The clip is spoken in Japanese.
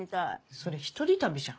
それ一人旅じゃん。